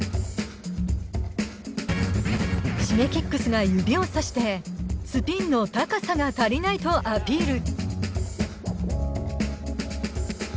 Ｓｈｉｇｅｋｉｘが指を指してスピンの高さが足りないとアピール。